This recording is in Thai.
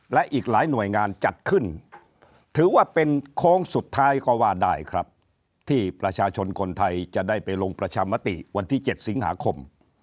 และอีกหลายหน่วยงานจัดขึ้นถือว่าเป็นโค้งสุดท้ายก็ว่าได้ครับที่ประชาชนคนไทยจะได้ไปลงประชามติวันที่๗สิงหาคม